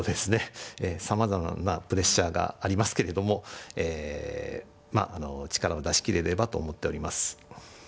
さまざまなプレッシャーがありますけれどもまああの力を出し切れればと思っております。